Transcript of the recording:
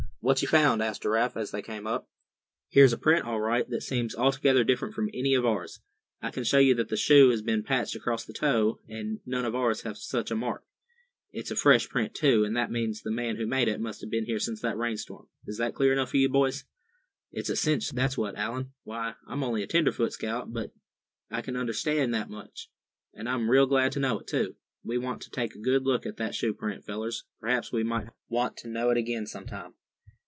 "What you found?" asked Giraffe, as they came up. "Here's a print, all right, that seems altogether different from any of ours. I can show you that the shoe has been patched across the toe, and none of ours has such a mark. It's a fresh print too, and that means the man who made it must have been here since that rain storm. Is that clear enough for you, boys?" "It's a cinch, that's what, Allan. Why, I'm only a tenderfoot scout, but I can understand that much. And I'm real glad to know it, too. We want to take a good look at that shoe print, fellers; p'raps we might want to know it again sometime."